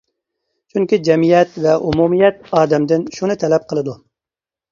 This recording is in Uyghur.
چۈنكى جەمئىيەت ۋە ئومۇمىيەت ئادەمدىن شۇنى تەلەپ قىلىدۇ.